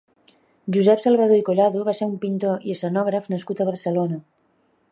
Josep Salvador i Collado va ser un pintor i escenògraf nascut a Barcelona.